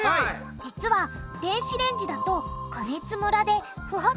実は電子レンジだと加熱ムラで不発